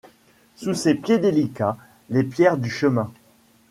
Sous ses pieds délicats, les pierres du chemin.